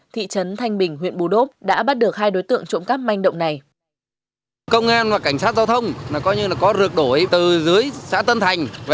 thị trấn thanh bình huyện bù đốp đã bắt được hai đối tượng trộm cắp manh động này